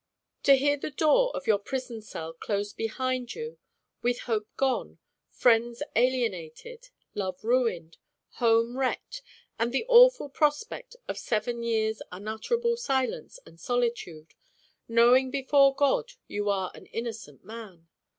To hear the door of your prison cell close behind you, with hope gone, friends alien ated, love ruined, home wrecked, and the awful prospect of seven years* unutterable silence and solitude, knowing before God you are an innocent man